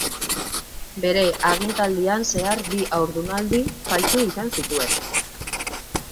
Bere agintaldian zehar bi haurdunaldi faltsu izan zituen.